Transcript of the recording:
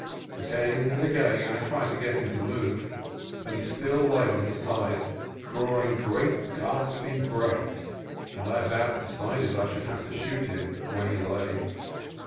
Again and again I tried to get him to move, but he still lay on his side, drawing great gasping breaths, and I about decided I should have to shoot him where he lay.